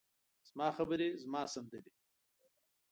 زما خبرې، زما سندرې،